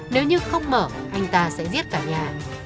nếu như không mở anh ta sẽ giết cả nhà